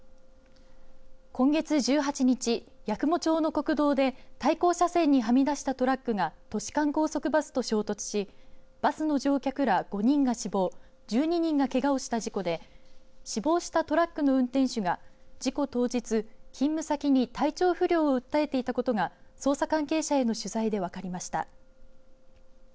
今月１８日八雲町の国道で対向車線にはみ出したトラックが都市間高速バスと衝突しバスの乗客ら５人が死亡１２人がけがをした事故で死亡したトラックの運転手が事故当日勤務先に体調不良を訴えていたことが捜査関係者への取材で分かりました。